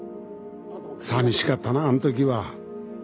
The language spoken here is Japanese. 寂しかったなあん時は。